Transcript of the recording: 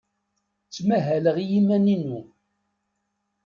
Ttmahaleɣ i yiman-inu.